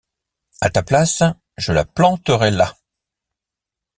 À ta place, je la planterais là.